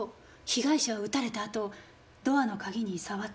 被害者は撃たれたあとドアの鍵に触ったの。